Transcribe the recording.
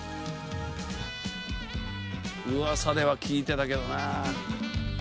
噂では聞いてたけどな。